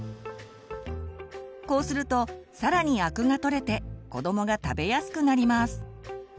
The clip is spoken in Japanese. こうするとさらにアクが取れて子どもが食べやすくなります。